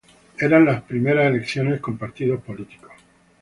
Eran las primeras elecciones con partidos políticos.